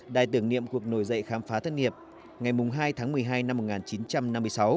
đài tưởng niệm cuộc nổi dậy khám phá thất nghiệp ngày hai tháng một mươi hai năm một nghìn chín trăm năm mươi sáu